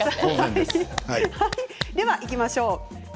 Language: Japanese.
では、いきましょう。